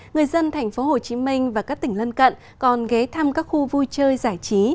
người dân thành phố hồ chí minh và các tỉnh lân cận còn ghé thăm các khu vui chơi giải trí